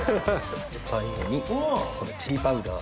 最後にこのチリパウダー。